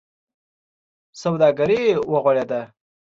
سوداګري و غوړېده.